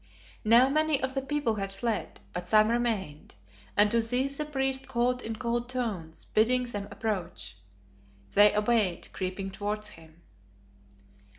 Now many of the people had fled, but some remained, and to these the priest called in cold tones, bidding them approach. They obeyed, creeping towards him.